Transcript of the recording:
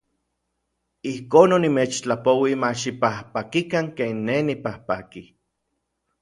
Ijkon onimechtlapouij ma xipajpakikan ken nej nipajpaki.